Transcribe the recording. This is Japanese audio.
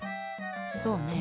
そうねえ